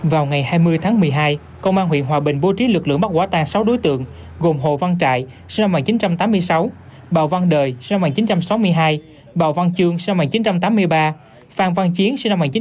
vào ngày hai mươi tháng một mươi hai công an huyện hòa bình bố trí lực lượng bắt quả tang sáu đối tượng gồm hồ văn trại bảo văn đời bảo văn chương phan văn chiến